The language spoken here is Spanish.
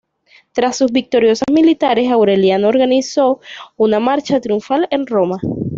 Tras sus victorias militares, Aureliano organizó una marcha triunfal en Roma.